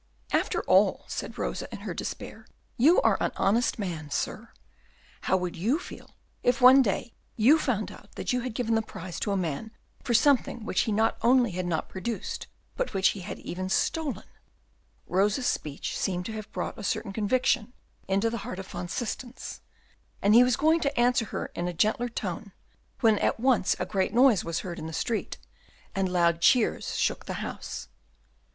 "After all," said Rosa, in her despair, "you are an honest man, sir; how would you feel if one day you found out that you had given the prize to a man for something which he not only had not produced, but which he had even stolen?" Rosa's speech seemed to have brought a certain conviction into the heart of Van Systens, and he was going to answer her in a gentler tone, when at once a great noise was heard in the street, and loud cheers shook the house.